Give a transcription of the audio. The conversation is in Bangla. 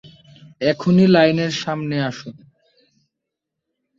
এখনই লাইনের সামনে আসুন।